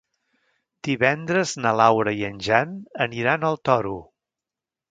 Divendres na Laura i en Jan aniran al Toro.